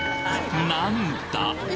なんだ？